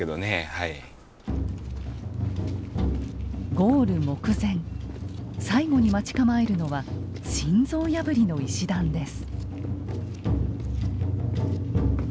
ゴール目前最後に待ち構えるのは心臓破りの石段です。